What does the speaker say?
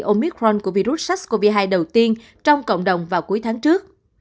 omicron của virus sars cov hai đầu tiên trong cộng đồng vào cuối tháng trước